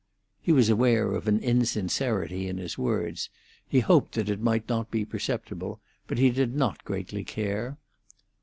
He was aware of an insincerity in his words; he hoped that it might not be perceptible, but he did not greatly care.